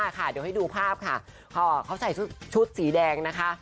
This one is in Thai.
เดี๋ยวให้ดูภาพค่ะเขาใส่ชุดสีแดงนะคะ